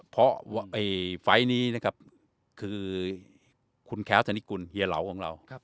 เพราะไฟล์นี้นะครับคือคุณแค้วธนิกุลเฮียเหลาของเรา